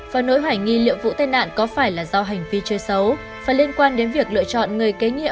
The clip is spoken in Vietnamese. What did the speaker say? và nỗi hoài nghi liệu vụ tai nạn có phải là do hành vi chơi xấu và liên quan đến việc lựa chọn người kế nhiệm